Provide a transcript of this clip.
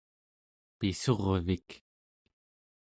pissurvik